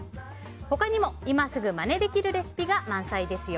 他にも今すぐまねできるレシピが満載です。